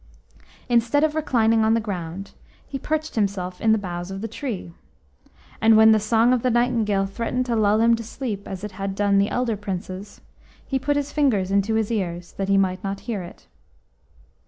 Instead of reclining on the ground, he perched himself in the boughs of the tree, and when the song of the nightingale threatened to lull him to sleep, as it had done the elder Princes, he put his fingers into his ears that he might not hear it.